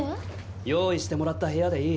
用意してもらった部屋でいい。